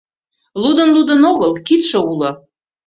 — Лудын, лудын огыл — кидше уло.